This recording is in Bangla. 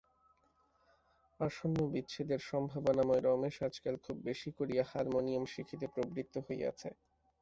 আসন্ন বিচ্ছেদের সম্ভাবনায় রমেশ আজকাল খুব বেশি করিয়া হারমোনিয়ম শিখিতে প্রবৃত্ত হইয়াছে।